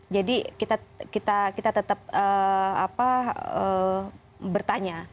jadi kita tetap bertanya